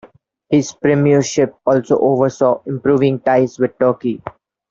His premiership also oversaw improving ties with Turkey.